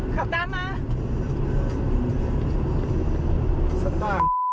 ก็สันดามมันอย่างงี้เนี่ย